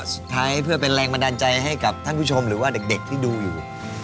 สุดท้ายเพื่อเป็นแรงบันดาลใจให้กับท่านผู้ชมหรือว่าเด็กที่ดูอยู่